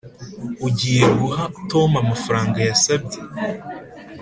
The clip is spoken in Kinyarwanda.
ugiye guha tom amafaranga yasabye?